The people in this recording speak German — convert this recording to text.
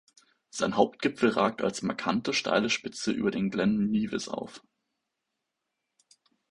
Sein Hauptgipfel ragt als markante steile Spitze über dem Glen Nevis auf.